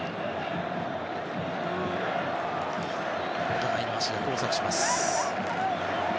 お互いの足が交錯します。